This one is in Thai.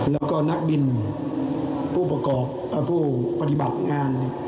แล้วก็นักบินผู้ประกอบผู้ปฏิบัติงาน